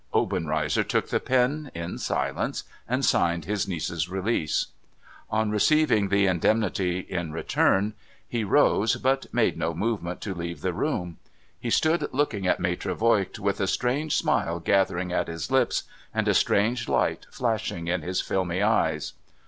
Obenreizer took the pen, in silence, and signed his niece's release. On receiving the indemnity in return, he rose, but made no move ment to leave the room. He stood looking at Maltre Voigt with a strange smile gathering at his lips, and a strange light flashing in his filmy eyes.